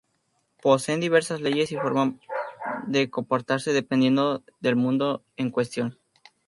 Poseen diversas leyes y formas de comportarse dependiendo del mundo en cuestión.